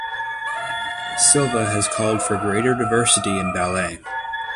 Silva has called for greater diversity in ballet.